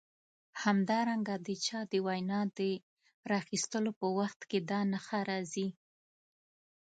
همدارنګه د چا د وینا د راخیستلو په وخت کې دا نښه راځي.